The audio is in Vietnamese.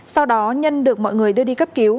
sau đó nhân được mọi người đưa đi cấp cứu